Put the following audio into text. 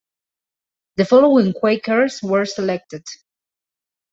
The following Quakers were selected.